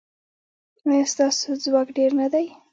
ایا ستاسو ځواک ډیر نه دی؟